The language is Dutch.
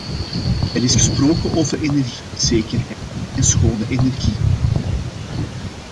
Er is gesproken over energiezekerheid en schone energie.